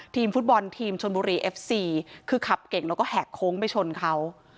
ทีมฟุตบอลทีมชนบุรีเอฟซีคือขับเก่งแล้วก็แหกโค้งไปชนเขา